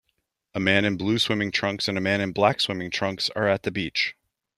A man in blue swimming trunks and a man in black swimming trunks are at the beach.